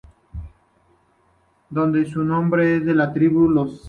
Debe su nombre a la tribu de los Sac.